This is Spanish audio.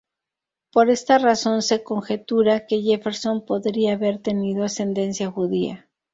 Por esta razón se conjetura que Jefferson podría haber tenido ascendencia judía.